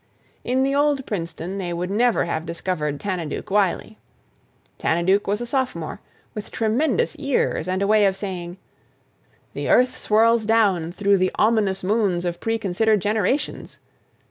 In the old Princeton they would never have discovered Tanaduke Wylie. Tanaduke was a sophomore, with tremendous ears and a way of saying, "The earth swirls down through the ominous moons of preconsidered generations!"